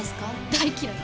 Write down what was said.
大嫌いよ。